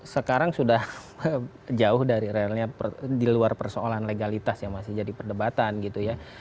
sekarang sudah jauh dari relnya di luar persoalan legalitas yang masih jadi perdebatan gitu ya